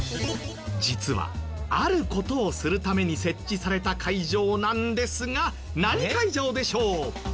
実はある事をするために設置された会場なんですが何会場でしょう？